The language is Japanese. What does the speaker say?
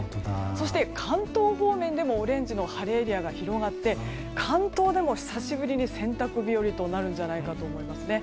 そして関東方面でもオレンジの晴れエリアが広がって関東でも久しぶりに洗濯日和になるんじゃないかと思います。